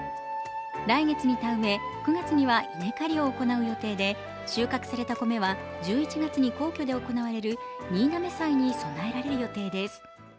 来月に田植え、９月には稲刈りを行う予定で収穫された米は１１月に皇居で行われる新嘗祭に供えられる予定です。